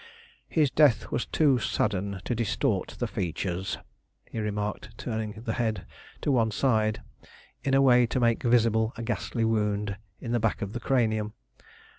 "His death was too sudden to distort the features," he remarked, turning the head to one side in a way to make visible a ghastly wound in the back of the cranium.